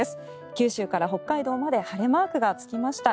九州から北海道まで晴れマークがつきました。